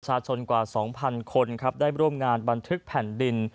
ชาวชนกว่า๒พันคนครับได้บริรวมงานบันทึกแผ่นดิน